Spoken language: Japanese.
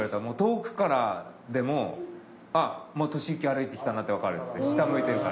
もう遠くからでも「あっもう俊之歩いてきたなってわかる」っつって。